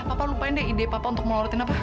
papa lupain deh ide papa untuk mengelolatin apa